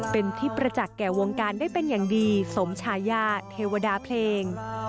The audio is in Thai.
เป็นที่ประจักษ์แก่วงการได้เป็นอย่างดีสมชายาเทวดาเพลง